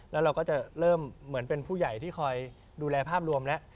แล้วเราก็จะเริ่มเหมือนเป็นผู้ใหญ่ที่คอยดูแลภาพรวมแล้ว